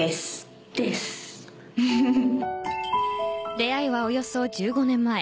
出会いはおよそ１５年前。